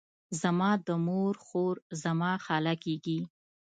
زما د مور خور، زما خاله کیږي.